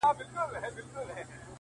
• دا د زړه ورو مورچل مه ورانوی,